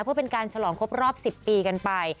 เพื่อเป็นการฉลองครบรอบ๑๐ปีกันไป